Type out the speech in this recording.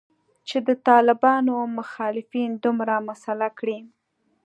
چې د طالبانو مخالفین دومره مسلح کړي